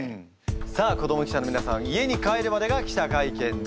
さあ子ども記者の皆さん家に帰るまでが記者会見です。